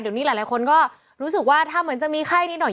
เดี๋ยวนี้หลายคนก็รู้สึกว่าถ้าเหมือนจะมีไข้นิดหน่อย